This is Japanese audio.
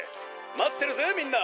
まってるぜみんな！」。